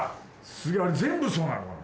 すげえあれ全部そうなのかな？